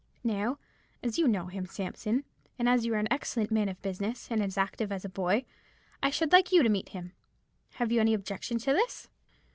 Now, as you know him, Sampson, and as you are an excellent man of business, and as active as a boy, I should like you to meet him. Have you any objection to do this?"